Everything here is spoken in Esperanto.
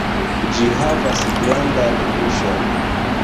Ĝi havas grandan buŝon.